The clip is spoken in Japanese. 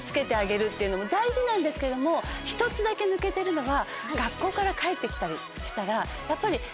１つだけ抜けてるのは。